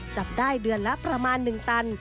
จับได้เดือนละประมาณ๑ตัน